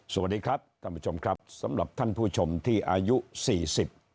สวัสดีครับท่านผู้ชมครับสำหรับท่านผู้ชมที่อายุสี่สิบ